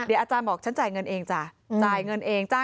เดี๋ยวอาจารย์บอกฉันจ่ายเงินเองจ้า